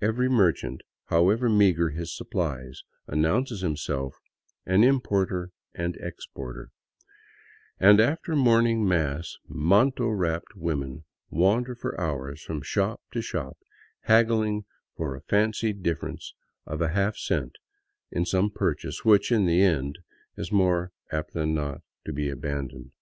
Every merchant, however meager his suppUes, announces himself an " importer and exporter," and after morning mass manto wrapped women wander for hours from shop to shop, haggling for a fancied difference of a half cent in some purchase which, in the end, is more apt than not to be abandoned.